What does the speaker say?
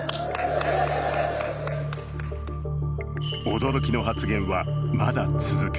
驚きの発言はまだ続く。